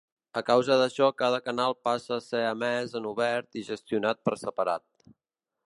A causa d'això cada canal passa a ser emès en obert i gestionat per separat.